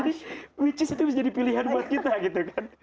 jadi which is itu bisa jadi pilihan buat kita